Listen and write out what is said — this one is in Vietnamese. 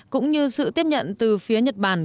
cũng như sự tiếp nhận từ phía nhật bản